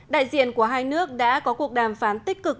đại diện của hai nước đã có cuộc đàm phán tích cực